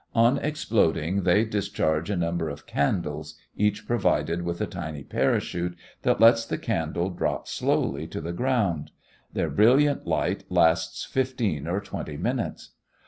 On exploding they discharge a number of "candles," each provided with a tiny parachute that lets the candle drop slowly to the ground. Their brilliant light lasts fifteen or twenty minutes.